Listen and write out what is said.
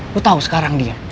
gua tau sekarang dia